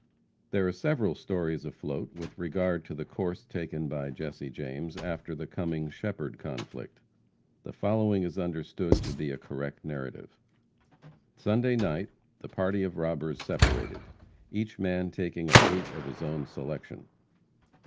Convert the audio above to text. There are several stories afloat with regard to the course taken by Jesse James after the Cummings Shepherd conflict. The following is understood to be a correct narrative. Sunday night the party of robbers separated, each man taking a route of his own selection.